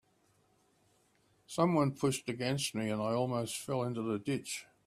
Somebody pushed against me, and I almost fell into the ditch.